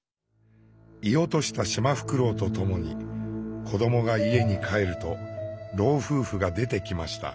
射落としたシマフクロウと共に子どもが家に帰ると老夫婦が出てきました。